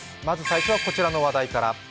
まず最初はこちらの話題から。